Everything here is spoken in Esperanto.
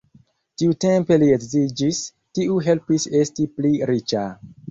Tiutempe li edziĝis, kiu helpis esti pli riĉa.